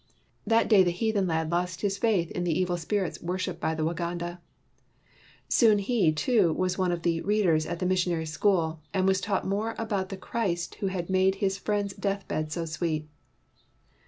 That day the heathen lad lost his faith in the evil spirits worshiped by the Waganda. Soon he, too, was one of the "readers" at the missionaries ' school and was taught more about the Christ who had made his friend's death bed so sweet.